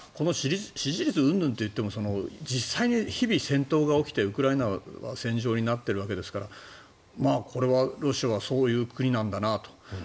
支持率うんぬんといっても実際に日々、戦闘が起きてウクライナが戦場になっているわけですからこれはロシアはそういう国なんだなと。